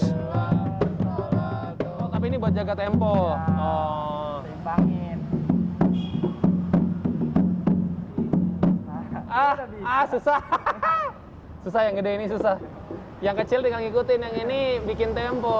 ah ah ah susah hahaha saya gede ini susah yang kecil tinggal ikutin yang ini bikin tempo